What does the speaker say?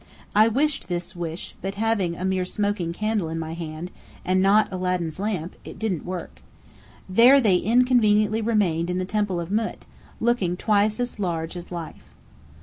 I wished this wish, but having a mere smoking candle in my hand, and not Aladdin's lamp, it didn't work. There they inconveniently remained in the Temple of Mût, looking twice as large as life.